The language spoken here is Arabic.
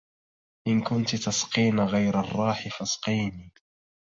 إن كنت تسقين غير الراح فاسقيني